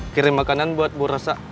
kirim makanan buat bu resa